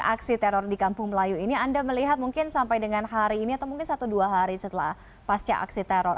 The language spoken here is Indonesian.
dan aksi teror di kampung melayu ini anda melihat mungkin sampai dengan hari ini atau mungkin satu dua hari setelah pasca aksi teror